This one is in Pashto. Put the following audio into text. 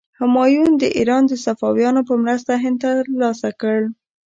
همایون د ایران د صفویانو په مرسته هند تر لاسه کړ.